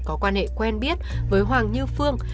có quan hệ quen biết với hoàng như phương